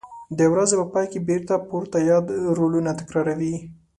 د ورځې په پای کې بېرته پورته یاد رولونه تکراروي.